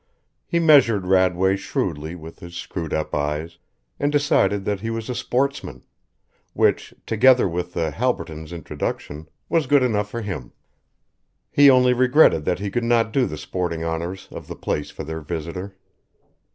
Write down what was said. He measured Radway shrewdly with his screwed up eyes and decided that he was a sportsman, which, together with the Halbertons' introduction, was good enough for him. He only regretted that he could not do the sporting honours of the place for their visitor.